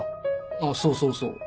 あぁそうそうそう。